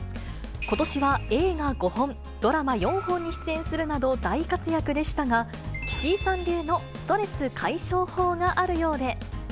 ことしは映画５本、ドラマ４本に出演するなど大活躍でしたが、岸井さん流のストレス解消法があるようで。